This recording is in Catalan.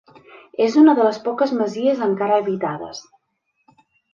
És una de les poques masies encara habitades.